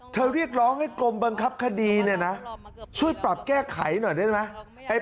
เรียกร้องให้กรมบังคับคดีเนี่ยนะช่วยปรับแก้ไขหน่อยได้ไหม